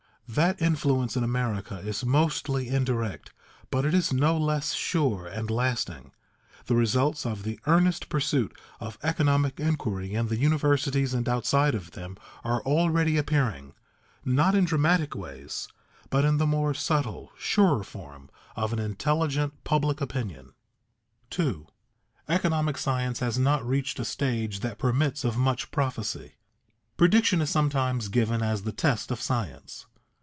That influence in America is mostly indirect, but it is no less sure and lasting. The results of the earnest pursuit of economic inquiry in the universities and outside of them are already appearing, not in dramatic ways, but in the more subtle, surer form of an intelligent public opinion. [Sidenote: Examples of mistaken social prophecy] 2. Economic science has not reached a stage that permits of much prophecy. Prediction is sometimes given as the test of science.